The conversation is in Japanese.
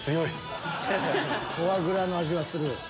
フォアグラの味はする。